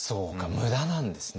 無駄なんですね